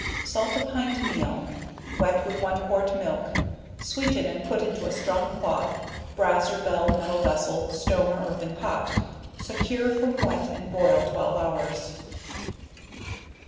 Salt a pint meal, wet with one quart milk, sweeten and put into a strong cloth, brass or bell metal vessel, stone or earthern pot, secure from wet and boil 12 hours.